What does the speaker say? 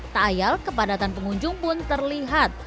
tayal kepadatan pengunjung pun terlihat